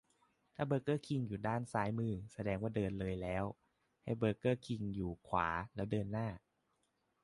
ถ้าเบอร์เกอร์คิงอยู่ซ้ายมือ แสดงว่าเดินเลยแล้ว ให้เบอร์เกอร์คิงอยู่ขวา แล้วเดินหน้า